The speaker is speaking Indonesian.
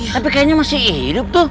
tapi kayaknya masih hidup tuh